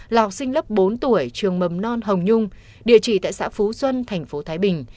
là học sinh lớp bốn tuổi trường mầm non hồng nhung địa chỉ tại xã phú xuân thành phố thái bình